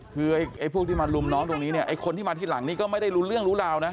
คือไอ้พวกที่มาลุมน้องตรงนี้เนี่ยไอ้คนที่มาที่หลังนี้ก็ไม่ได้รู้เรื่องรู้ราวนะ